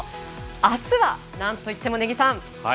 あすは、なんといっても根木さん